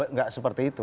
nggak seperti itu